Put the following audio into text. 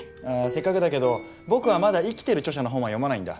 せっかくだけど僕はまだ生きてる著者の本は読まないんだ。